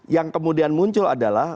yang kemudian muncul adalah